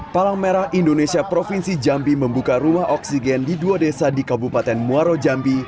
palang merah indonesia provinsi jambi membuka rumah oksigen di dua desa di kabupaten muaro jambi